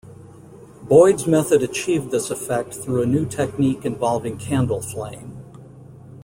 Boyd's method achieved this effect through a new technique involving candle flame.